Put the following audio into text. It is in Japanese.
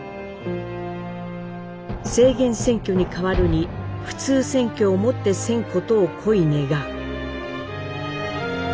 「制限選挙に代わるに普通選挙をもってせんことをこいねがう」。